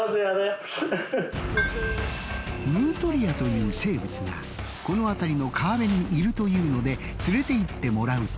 ヌートリアという生物がこの辺りの川辺にいるというので連れていってもらうと。